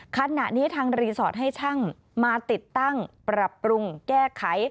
ขณะนี้ทางรีสอร์ทให้ช่างมาติดตั้งปรับปรุงแก้ไข